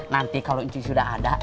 nanti kalau itu sudah ada